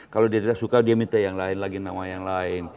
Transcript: kalau dia tidak suka dia minta yang lain lagi